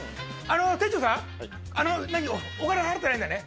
店長さんお金払ってないんだね？